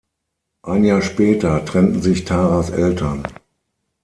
Ein Jahr später trennten sich Taras Eltern.